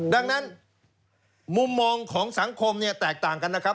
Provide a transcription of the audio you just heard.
ดังนั้นมุมมองของสังคมเนี่ยแตกต่างกันนะครับ